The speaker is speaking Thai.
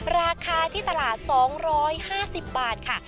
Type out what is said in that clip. ราคาที่ตลาด๒๕๐บาทค่ะ